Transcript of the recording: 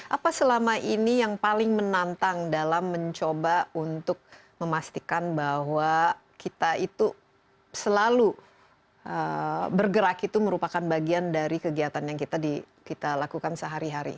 apa selama ini yang paling menantang dalam mencoba untuk memastikan bahwa kita itu selalu bergerak itu merupakan bagian dari kegiatan yang kita lakukan sehari hari